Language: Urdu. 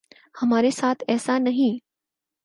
ہمارے ساتھ ایسا نہیں۔